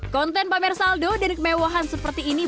konten pamer saldo dan kemewahan seperti ini